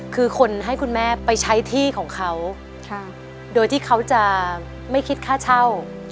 คือคนให้คุณแม่ไปใช้ที่ของเขาโดยที่เขาจะไม่คิดค่าเช่า